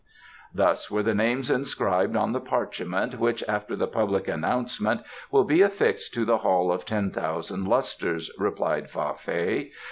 "Thus were the names inscribed on the parchment which after the public announcement will be affixed to the Hall of Ten Thousand Lustres," replied Fa Fei.